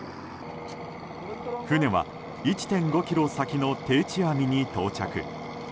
船は１．５ｋｍ先の定置網に到着。